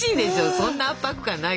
そんな圧迫感ない